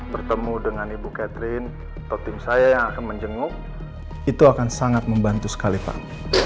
bertemu dengan ibu catherine atau tim saya yang akan menjenguk itu akan sangat membantu sekali pak